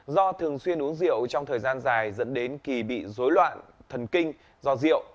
do thường xuyên uống rượu trong thời gian dài dẫn đến kỳ bị dối loạn thần kinh do rượu